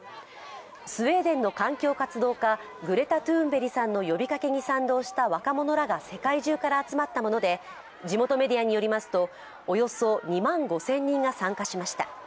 スウェーデンの環境活動家グレタ・トゥンベリさんの呼びかけに賛同した若者らが世界中から集まったもので、地元メディアによりますとおよそ２万５０００人が参加しました。